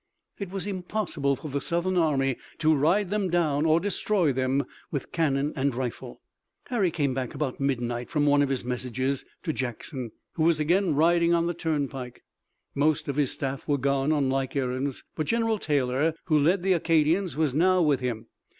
It was impossible for the Southern army to ride them down or destroy them with cannon and rifle. Harry came back about midnight from one of his messages, to Jackson, who was again riding on the turnpike. Most of his staff were gone on like errands, but General Taylor who led the Acadians was now with him.